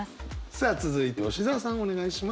さあ続いて吉澤さんお願いします。